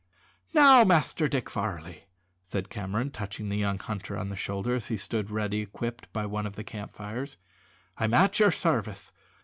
"Now, Master Dick Varley," said Cameron, touching the young hunter on the shoulder as he stood ready equipped by one of the camp fires, "I'm at your service.